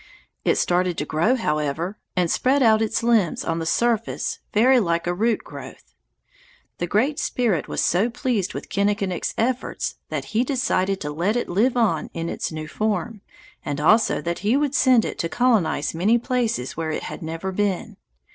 It started to grow, however, and spread out its limbs on the surface very like a root growth. The Great Spirit was so pleased with Kinnikinick's efforts that he decided to let it live on in its new form, and also that he would send it to colonize many places where it had never been.